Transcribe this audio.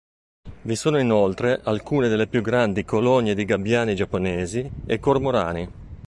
Vi sono inoltre alcune delle più grandi colonie di gabbiani giapponesi e cormorani.